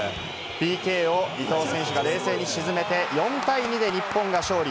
ＰＫを伊東選手が冷静に沈めて、４対２で日本が勝利！